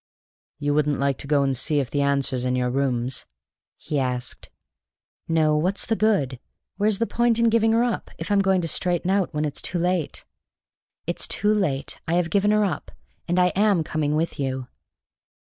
"You wouldn't like to go and see if the answer's in your rooms?" he asked. "No. What's the good? Where's the point in giving her up if I'm going to straighten out when it's too late? It is too late, I have given her up, and I am coming with you!"